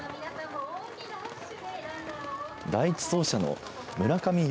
第１走者の村上優